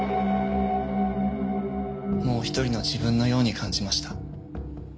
もう一人の自分のように感じました。